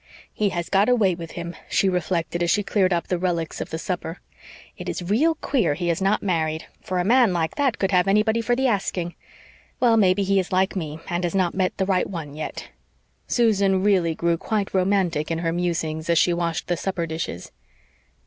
"He has got a way with him," she reflected, as she cleared up the relics of the supper. "It is real queer he is not married, for a man like that could have anybody for the asking. Well, maybe he is like me, and has not met the right one yet." Susan really grew quite romantic in her musings as she washed the supper dishes.